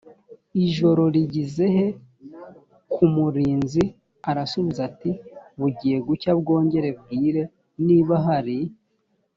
ijoro rigeze he k umurinzi arasubiza ati bugiye gucya bwongere bwire niba hari